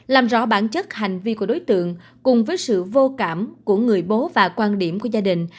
làm rõ bản chất hành vi của đối tượng cùng với sự vô cảm của người bố và quan điểm của gia đình